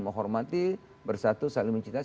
menghormati bersatu saling mencintai